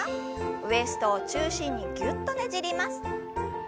ウエストを中心にぎゅっとねじります。